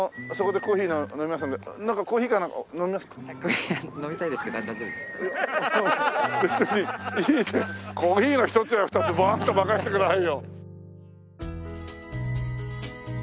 コーヒーの１つや２つボーンと任せてくださいよ。